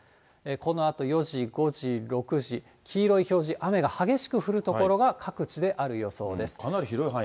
このあと４時、５時、６時、黄色い表示、雨が激しく降る所が各地である予想です。